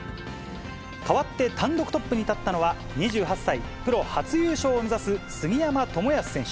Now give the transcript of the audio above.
かわって、単独トップに立ったのは、２８歳、プロ初優勝を目指す杉山知靖選手。